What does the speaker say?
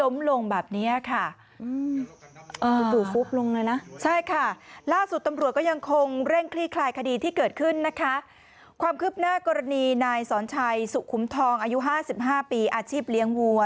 มีนายสอนชัยสุขุมทองอายุ๕๕ปีอาชีพเลี้ยงวัว